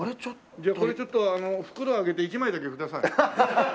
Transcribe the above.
じゃあこれちょっと袋開けて１枚だけください。